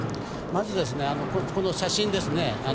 まず、写真ですね